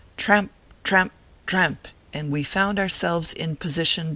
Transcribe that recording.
Tramp, tramp, tramp ! and we found ourselves in position before Paris.